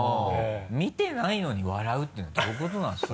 見てないのに笑うっていうのはどういうことなんですか？